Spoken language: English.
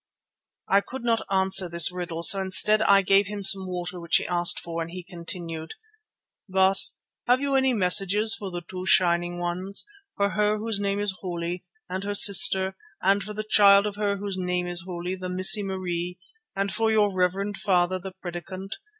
I could not answer this riddle, so instead I gave him some water which he asked for, and he continued: "Baas, have you any messages for the two Shining ones, for her whose name is holy and her sister, and for the child of her whose name is holy, the Missie Marie, and for your reverend father, the Predikant?